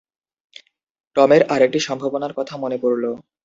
টমের আরেকটি সম্ভাবনার কথা মনে পড়ল।